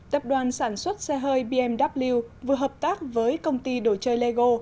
tập đoàn sản xuất xe hơi bmw vừa hợp tác với công ty đồ chơi lego